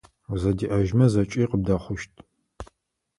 Узэдеӏэжьмэ зэкӏэ къыбдэхъущт.